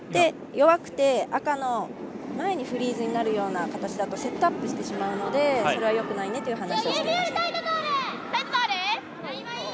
弱くて、赤の前にフリーズになる形だとセットアップしてしまうのでそれはよくないねという話をしていました。